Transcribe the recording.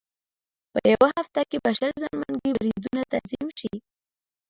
په یوه هفته کې به شل ځانمرګي بریدونه تنظیم شي.